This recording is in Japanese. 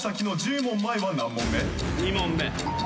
２問目。